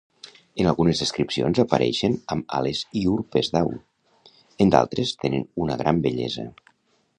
En algunes descripcions apareixen amb ales i urpes d'au, en d'altres tenen una gran bellesa.